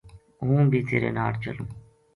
ہوں بی تیرے ناڑ چلوں‘‘